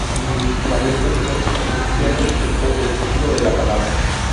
Vanessa es una Chica Cristiana en todo el sentido de la palabra.